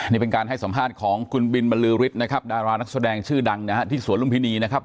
นี่เป็นการให้สัมภาษณ์ของคุณบินบรรลือฤทธิ์นะครับดารานักแสดงชื่อดังนะฮะที่สวนลุมพินีนะครับ